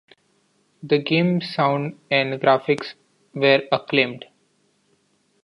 The games sound and graphics were acclaimed.